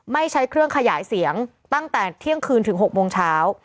ใช้เครื่องขยายเสียงตั้งแต่เที่ยงคืนถึง๖โมงเช้า